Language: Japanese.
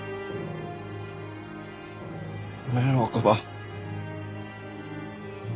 ごめん若葉。